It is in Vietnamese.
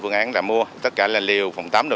phương án mua tất cả là liều phòng tắm